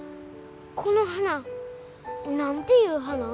この花何ていう花？